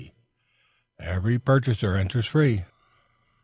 Every purchaser enters free."